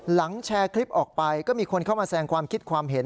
แชร์คลิปออกไปก็มีคนเข้ามาแสงความคิดความเห็น